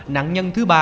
nạn nhân thứ ba